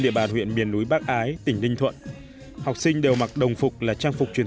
địa bàn huyện miền núi bắc ái tỉnh ninh thuận học sinh đều mặc đồng phục là trang phục truyền